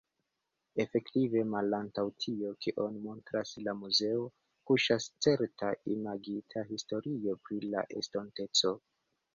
Efektive, malantaŭ tio kion montras la muzeo, kuŝas certa imagita historio pri la estonteco.